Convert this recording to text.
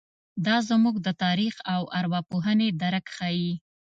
دا زموږ د تاریخ او ارواپوهنې درک ښيي.